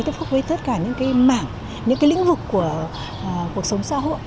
tiếp xúc với tất cả những cái mảng những cái lĩnh vực của cuộc sống xã hội